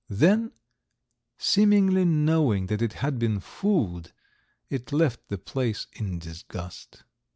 Then, seemingly knowing that it had been fooled, it left the place in disgust.